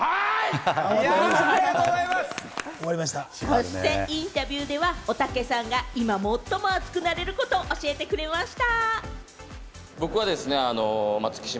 そしてインタビューではおたけさんが今、最も熱くなれること教えてくれました。